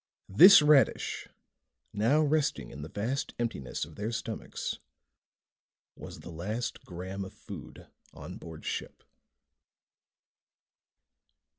This radish, now resting in the vast emptiness of their stomachs, was the last gram of food on board ship.